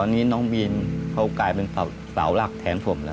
น้องบีนเขากลายเป็นสาวหลักแถมผมแล้ว